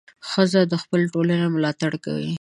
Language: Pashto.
ښځه د خپلې ټولنې ملاتړ کوي.